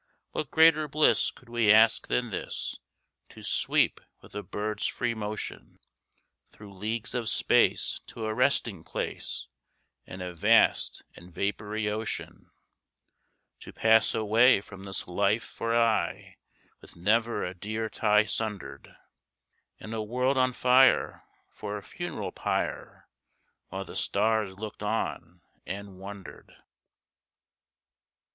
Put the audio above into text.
What greater bliss could we ask than this, To sweep with a bird's free motion Through leagues of space to a resting place, In a vast and vapoury ocean— To pass away from this life for aye With never a dear tie sundered, And a world on fire for a funeral pyre, While the stars looked on and wondered?